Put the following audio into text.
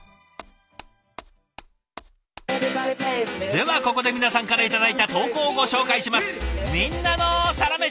ではここで皆さんから頂いた投稿をご紹介します。